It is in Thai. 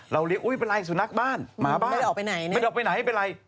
เรียกอุ้ยเป็นไรสุนัขบ้านหมาบ้านไม่ได้ออกไปไหนเนี่ยไม่ได้ออกไปไหนไม่เป็นไร